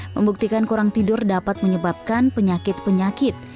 membuktikan kurang tidur dapat menyebabkan penyakit penyakit